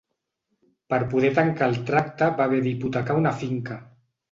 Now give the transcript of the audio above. Per poder tancar el tracte va haver d'hipotecar una finca.